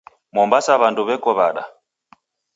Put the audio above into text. Mombasa w'andu weko w'ada?